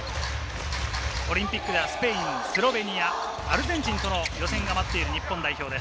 オリンピックではスペイン、スロベニア、アルゼンチンとの予選が待っている日本代表。